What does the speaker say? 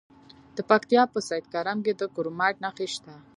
د پکتیا په سید کرم کې د کرومایټ نښې شته.